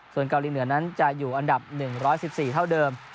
ส่วนเกาหลีเหนือนั้นจะอยู่อันดับ๑๑๔เท่าเดิม